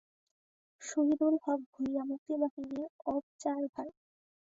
শহিদুল হক ভূঁইয়া মুক্তিবাহিনীর অবজারভার।